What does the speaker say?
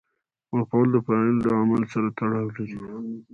مفعول د فاعل له عمل سره تړاو لري.